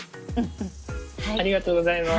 ありがとうございます。